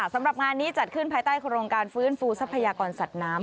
สำหรับงานนี้จัดขึ้นภายใต้โครงการฟื้นฟูทรัพยากรสัตว์น้ำ